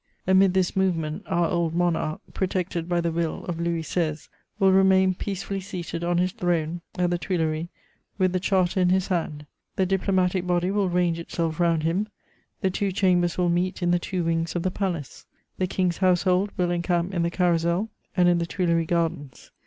Amid this movement, our old Monarch, protected by the will of Louis XVI., will remain peacefully seated on his throne at the Tuileries, with the Charter in his hand; the diplomatic body will range itself round him; the two Chambers will meet in the two wings of the Palace; the King's Household will encamp in the Carrousel and in the Tuileries Gardens.